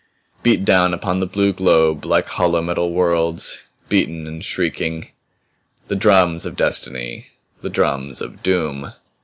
Beat down upon the blue globe like hollow metal worlds, beaten and shrieking. The drums of Destiny! The drums of Doom!